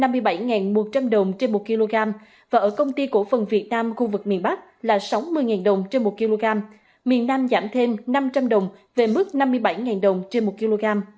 bắc là sáu mươi đồng trên một kg miền nam giảm thêm năm trăm linh đồng về mức năm mươi bảy đồng trên một kg